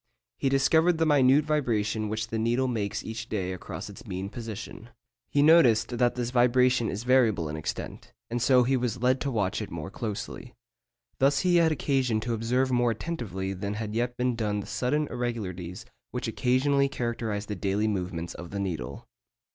He discovered the minute vibration which the needle makes each day across its mean position. He noticed that this vibration is variable in extent, and so he was led to watch it more closely. Thus he had occasion to observe more attentively than had yet been done the sudden irregularities which occasionally characterise the daily movements of the needle.